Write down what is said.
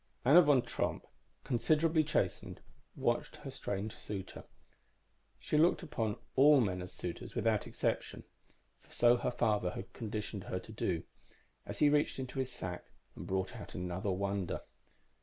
_Anna Van Tromp, considerably chastened, watched her strange suitor she looked upon all men as suitors, without exception; for so her father had conditioned her to do as he reached into his sack and brought out another wonder.